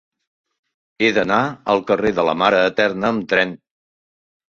He d'anar al carrer de la Mare Eterna amb tren.